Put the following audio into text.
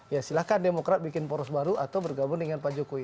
ya silahkan demokrat bikin poros baru atau bergabung dengan pak jokowi